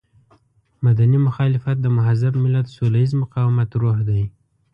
مدني مخالفت د مهذب ملت سوله ييز مقاومت روح دی.